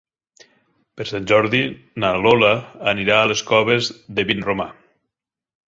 Per Sant Jordi na Lola anirà a les Coves de Vinromà.